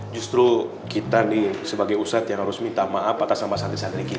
justru kita nih sebagai usat yang harus minta maaf atas sama santri santri kita